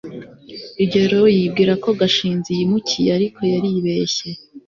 rugeyo yibwiraga ko gashinzi yimukiye ariko yaribeshye